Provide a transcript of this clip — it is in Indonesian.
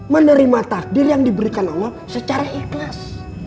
menerima takdir yang diberikan allah secara ikhlas